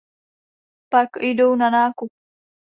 Pak jdou na nákup.